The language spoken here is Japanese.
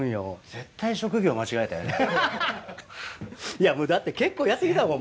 絶対職業間違えてるよね。